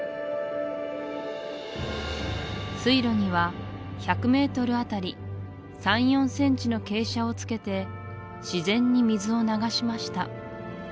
水路には１００メートルあたり３４センチの傾斜をつけて自然に水を流しました